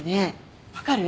分かる？